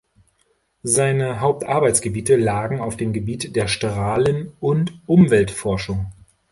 Seine Hauptarbeitsgebiete lagen auf dem Gebiet der Strahlen- und Umweltforschung.